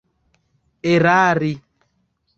erari